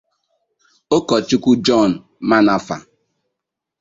Ụkọchukwu John Manafa